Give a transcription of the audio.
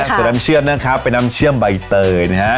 และน้ำเชื่อมเป็นน้ำเชื่อมใบตอย